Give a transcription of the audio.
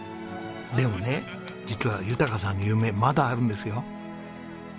でもね実は豊さんの夢まだあるんですよ。